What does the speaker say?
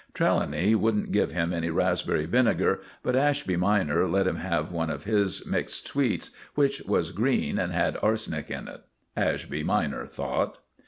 Trelawny wouldn't give him any raspberry vinegar, but Ashby minor let him have one of his mixed sweets, which was green and had arsenic in it, Ashby minor thought.